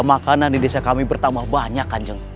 makanan di desa kami bertambah banyak kanjeng